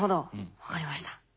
分かりました。